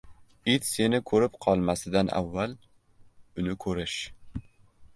“It seni ko‘rib qolmasidan avval uni ko‘rish”.